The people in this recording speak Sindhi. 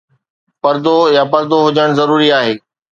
پردو يا پردو هجڻ ضروري آهي